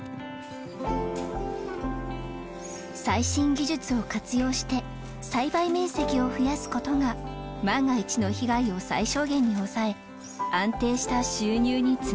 最新技術を活用して栽培面積を増やす事が万が一の被害を最小限に抑え安定した収入に繋がるはず。